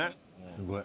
すごい。